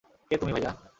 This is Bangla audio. কে তুমি ভাইয়া?